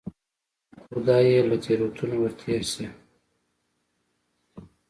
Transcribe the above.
خدای یې له تېروتنو ورتېر شي.